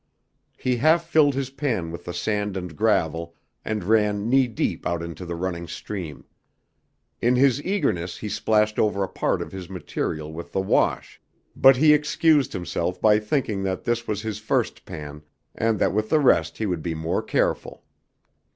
He half filled his pan with the sand and gravel and ran knee deep out into the running stream. In his eagerness he splashed over a part of his material with the wash, but he excused himself by thinking that this was his first pan, and that with the rest he would be more careful.